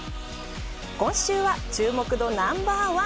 今週は、注目度ナンバー１！